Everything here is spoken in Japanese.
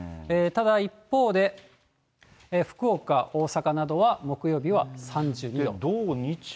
ただ一方で、福岡、大阪などは木曜日は３２度。